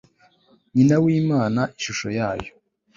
nyina w'imana, ishusho yayo